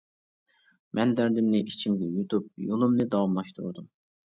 مەن دەردىمنى ئىچىمگە يۇتۇپ يولۇمنى داۋاملاشتۇردۇم.